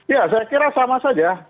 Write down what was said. ya saya kira sama saja